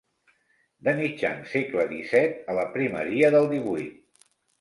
De mitjan segle disset a la primeria del divuit.